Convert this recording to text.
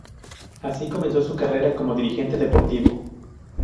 Así comenzó su carrera como dirigente deportivo.